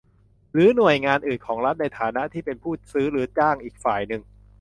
หรือหน่วยงานอื่นของรัฐในฐานะที่เป็นผู้ซื้อหรือจ้างอีกฝ่ายหนึ่ง